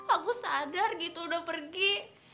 aku sadar gitu udah pergi